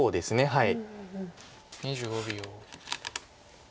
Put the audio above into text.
はい。